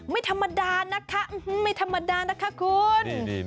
ไม่ธรรมดานะคะไม่ธรรมดานะคะคุณ